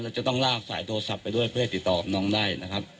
จะต้องลากสายโทรศัพท์ไปด้วยเพื่อให้ติดต่อกับน้องได้นะครับ